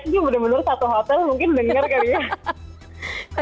ini bener bener satu hotel mungkin denger kayaknya